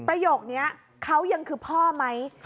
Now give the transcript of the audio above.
ประโยคนี้เขายังคือพ่อไหม